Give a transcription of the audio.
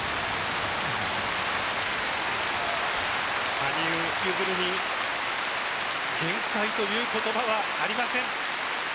羽生結弦に限界という言葉はありません。